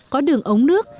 có đường ống nước